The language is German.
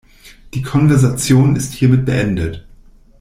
Die Konversation ist hiermit beendet.